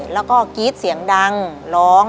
แล้วก็กรี๊ดเสียงดังร้อง